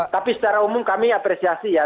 tapi secara umum kami apresiasi ya